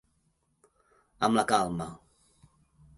Amb la calma.